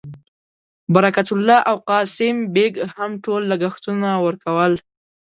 برکت الله او قاسم بېګ هم ټول لګښتونه ورکول.